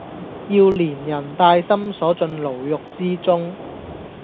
要連人帶心鎖進牢獄之中！